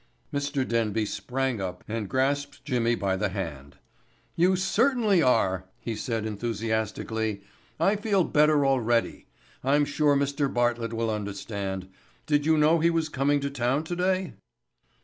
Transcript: Mr. Denby sprang up and grasped Jimmy by the hand. "You certainly are," he said enthusiastically. "I feel better already. I'm sure Mr. Bartlett will understand. Did you know he was coming to town today?"